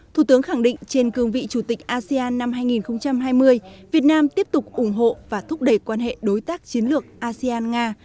thủ tướng khẳng định trên cương vị chủ tịch asean năm hai nghìn hai mươi việt nam tiếp tục ủng hộ và thúc đẩy quan hệ đối tác chiến lược asean nga